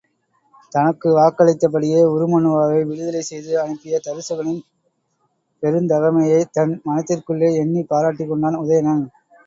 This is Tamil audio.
தனக்கு வாக்களித்தபடியே உருமண்ணுவாவை விடுதலை செய்து அனுப்பிய தருசகனின் பெருந்தகைமையை தன் மனத்திற்குள்ளே எண்ணிப் பாராட்டிக் கொண்டான் உதயணன்.